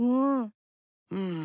うん。